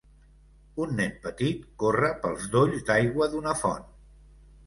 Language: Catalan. Un nen petit corre pel dolls d'aigua d'una font.